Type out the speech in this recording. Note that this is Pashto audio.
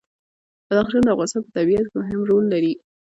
بدخشان د افغانستان په طبیعت کې مهم رول لري.